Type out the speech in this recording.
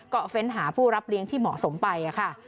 ก็เฟ้นหาผู้รับเลี้ยงที่เหมาะสมไปค่ะ